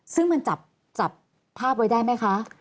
ซึ่งมันจับภาพไว้ได้ไหมคะ